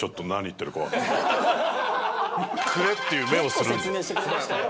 「“くれ”っていう目をするんですよ」